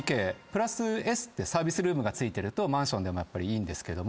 プラスＳってサービスルームが付いてるとマンションでもいいんですけど。